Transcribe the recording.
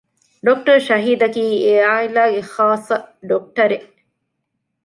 ޑޮކްޓަރ ޝަހީދަކީ އެޢާއިލާގެ ޚާއްޞަ ޑޮކްޓަރެއް